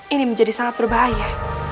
ini menjadi sangat berbahaya